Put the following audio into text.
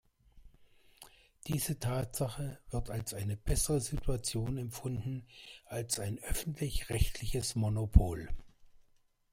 Diese Tatsache wird als eine bessere Situation empfunden als ein öffentlich-rechtliches Monopol.